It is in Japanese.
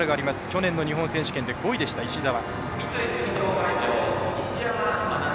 去年の日本選手権で５位でした、石澤。